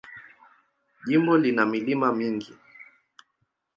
Jimbo lina milima mingi.